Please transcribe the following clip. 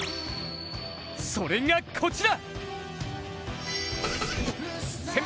それがこちら！